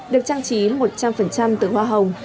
được trang trí một trăm linh từ hoa hồng